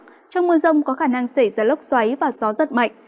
trong mưa rông có khả năng xảy ra lốc xoáy và gió rất mạnh